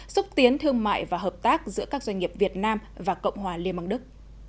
xúc tiến thương mại và hợp tác giữa các doanh nghiệp việt nam và cộng hòa liên bang đức